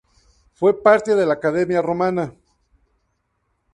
Fue parte de la Academia Romana.